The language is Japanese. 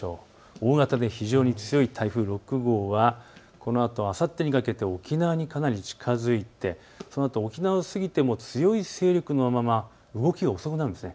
大型で非常に強い台風６号はこのあと、あさってにかけて沖縄にかなり近づいてこのあと沖縄を過ぎても強い勢力のまま、動きが遅くなるんです。